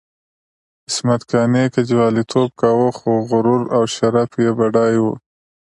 عصمت قانع که جواليتوب کاوه، خو غرور او شرف یې بډای وو.